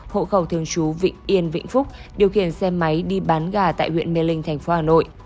hộ khẩu thường trú vịnh yên vĩnh phúc điều khiển xe máy đi bán gà tại huyện mê linh thành phố hà nội